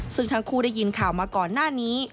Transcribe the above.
ซึ่งทั้งคู่ได้ยินข่าวมาก่อนหน้านี้